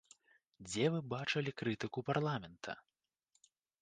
Дзе вы бачылі крытыку парламента?